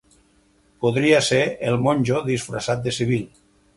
Podria ser el monjo disfressat de civil.